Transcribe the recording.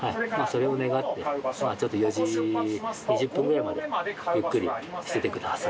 それを願ってちょっと４時２０分ぐらいまでゆっくりしててください。